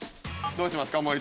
どうしますか？